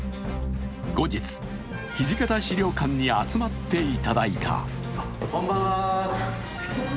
後日、土方資料館に集まっていただいた。